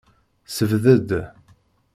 Sebded.